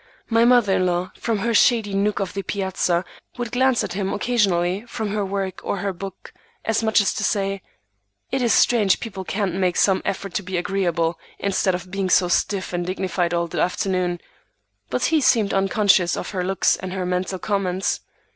My mother in law, from her shady nook of the piazza, would glance at him occasionally from her work or her book, as much as to say, "It is strange people can't make some effort to be agreeable, instead of being so stiff and dignified all the afternoon"; but he seemed unconscious of her looks and her mental comments.